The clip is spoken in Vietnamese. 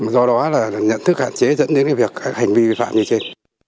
do đó là nhận thức hạn chế dẫn đến cái việc hành vi vi phạm như trên